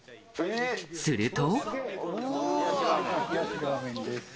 すると。